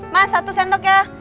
mas satu sendok ya